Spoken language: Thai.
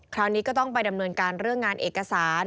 คราวนี้ก็ต้องไปดำเนินการเรื่องงานเอกสาร